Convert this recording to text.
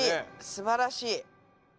すばらしい。